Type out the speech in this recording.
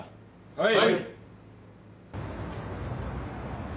はい！